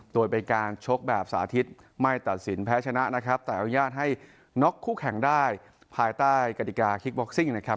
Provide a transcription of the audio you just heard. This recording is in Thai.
โดยเป็นการชกแบบสาธิตไม่ตัดสินแพ้ชนะนะครับแต่อนุญาตให้น็อกคู่แข่งได้ภายใต้กฎิกาคิกบ็อกซิ่งนะครับ